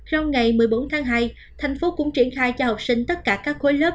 rằng ngày một mươi bốn tháng hai tp hcm cũng triển khai cho học sinh tất cả các khối lớp